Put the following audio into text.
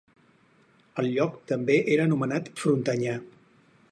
El lloc també era anomenat Frontanyà.